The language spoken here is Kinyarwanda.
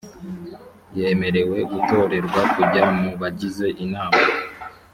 yemerewe gutorerwa kujya mu bagize inama